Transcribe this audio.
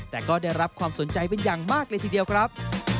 แต่ก็ได้รับความสนใจเป็นอย่างมากเลยทีเดียวครับ